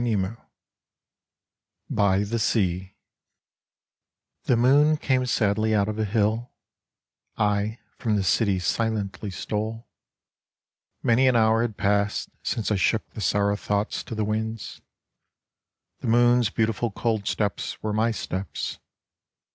A6 BY THE SEA The moon came sadly out of a hill ; I from the city silently stole : Many an hour had passed since I shook The sorrow thoughts to the winds. The moon's beautiful cold steps were my steps.